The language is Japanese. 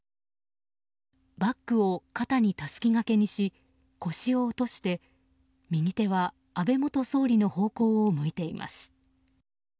バッグを肩にたすきがけにし腰を落として右手は安倍元総理の方向を向いています。